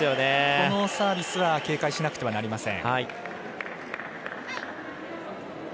このサービスは警戒しなくてはなりません。